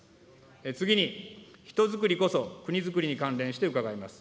次に人づくりこそ国づくりに関連して伺います。